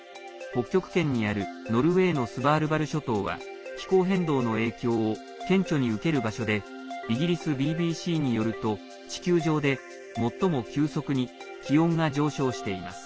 北極圏にあるノルウェーのスバールバル諸島は気候変動の影響を顕著に受ける場所でイギリスＢＢＣによると地球上で最も急速に気温が上昇しています。